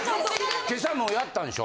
今朝もやったんでしょ？